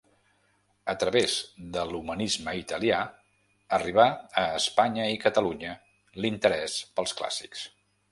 A través de l'Humanisme italià, arribà a Espanya i Catalunya l'interès pels clàssics.